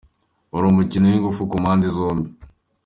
Wari umukino w’ingufu ku mpande zombi